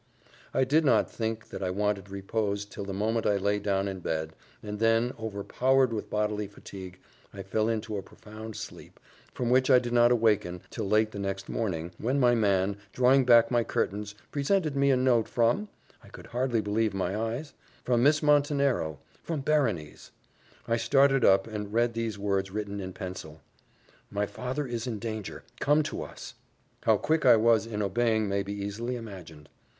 I did not think that I wanted repose till the moment I lay down in bed, and then, overpowered with bodily fatigue, I fell into a profound sleep, from which I did not awaken till late the next morning, when my man, drawing back my curtains, presented to me a note from I could hardly believe my eyes "from Miss Montenero" from Berenice! I started up, and read these words written in pencil: "My father is in danger come to us." How quick I was in obeying may be easily imagined.